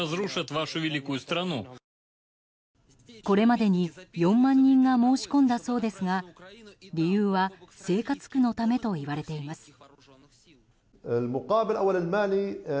これまでに４万人が申し込んだそうですが理由は生活苦のためと言われています。